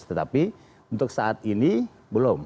tetapi untuk saat ini belum